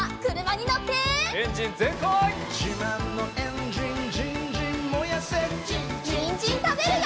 にんじんたべるよ！